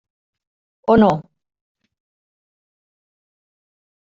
O no.